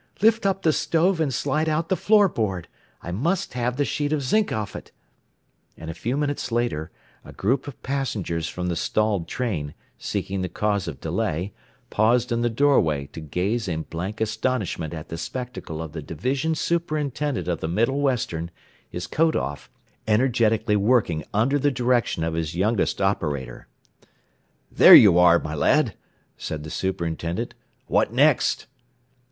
"Lift up the stove and slide out the floor board. I must have the sheet of zinc off it." And a few minutes later a group of passengers from the stalled train, seeking the cause of delay, paused in the doorway to gaze in blank astonishment at the spectacle of the division superintendent of the Middle Western, his coat off, energetically working under the direction of his youngest operator. [Illustration: IN THE MIDDLE OF THE FLOOR, THE CENTER OF ALL EYES, HURRIEDLY WORKING WITH CHISEL AND HAMMER.] "There you are, my lad," said the superintendent. "What next?"